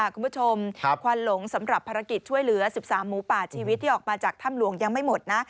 คุณผู้ชมควันหลงสำหรับภารกิจช่วยเหลือ๑๓หมูป่าชีวิตที่ออกมาจากถ้ำหลวงยังไม่หมดนะ